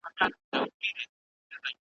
مُلا پرون مسلې کړلې د روژې د ثواب `